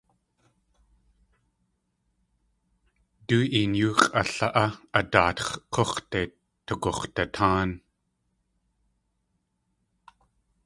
Du een yoo x̲ʼala.á, a daatx̲ k̲úx̲de tugux̲datáan.